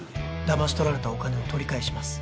ダマし取られたお金を取り返します